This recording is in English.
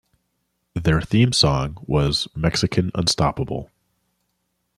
Their theme song was "Mexican Unstoppable".